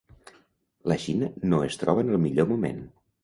La Xina no es troba en el millor moment.